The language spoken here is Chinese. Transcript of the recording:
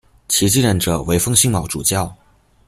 其继任者为封新卯主教。